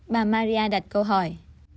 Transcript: bà maria đặt câu hỏi